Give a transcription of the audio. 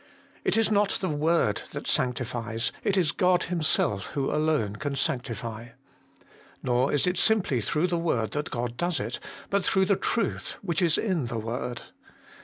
It is not the word that sanctifies ; it is God Himself who alone can sanctify. Nor is it simply through the word that God does it, but through the Truth which is in the word.